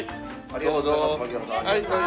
ありがとうございます槙原さん。